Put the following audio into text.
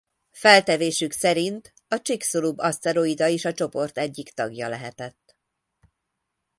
Feltevésük szerint a Chicxulub-aszteroida is a csoport egyik tagja lehetett.